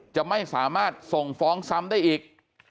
จะไม่สามารถส่งฟ้องซ้ำได้อีก